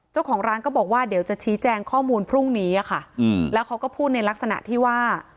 เจ้าของร้านก็บอกว่าเดี๋ยวจะชี้แจงข้อมูลพรุ่งนี้อะค่ะแล้วเขาก็พูดในลักษณะที่ว่า